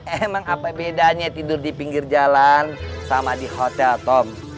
emang apa bedanya tidur di pinggir jalan sama di hotel tom